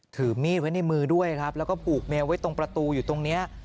ถือมีดไว้ในมือด้วยครับแล้วก็ผูกเมียไว้ตรงประตูอยู่ตรงนี้